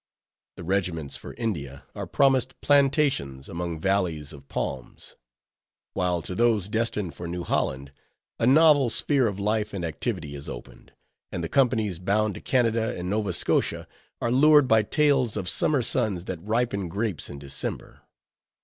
The regiments for India are promised plantations among valleys of palms; while to those destined for New Holland, a novel sphere of life and activity is opened; and the companies bound to Canada and Nova Scotia are lured by tales of summer suns, that ripen grapes in December.